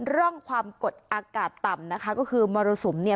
ร่องความกดอากาศต่ำนะคะก็คือมรสุมเนี่ย